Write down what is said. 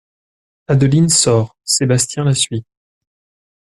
Adeline sort, Sébastien la suit.